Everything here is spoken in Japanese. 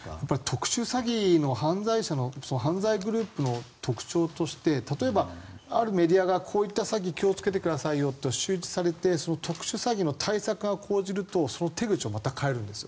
特殊詐欺の犯罪者の犯罪グループの特徴として例えばあるメディアがこういった詐欺気をつけてくださいよと周知されてその特殊詐欺の対策を講じるとその手口をまた変えるんです。